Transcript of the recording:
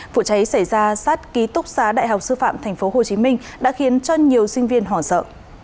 vụ cháy xảy ra sát ký túc xá đại học sư phạm tp hcm đã khiến cho nhiều sinh viên hoảng sợ